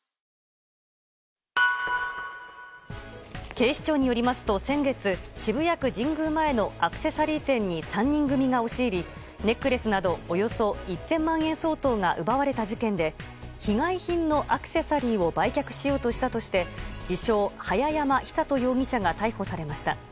警視庁によりますと、先月渋谷区神宮前のアクセサリー店に３人組が押し入りネックレスなどおよそ１０００万円相当が奪われた事件で被害品のアクセサリーを売却しようとしたとして自称早山尚人容疑者が逮捕されました。